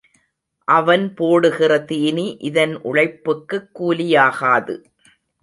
அவன் போடுகிற தீனி இதன் உழைப்புக்குக் கூலியாகாது.